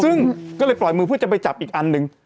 ซึ่งก็เลยปล่อยมือเพื่อจะไปจับอีกอันหนึ่ง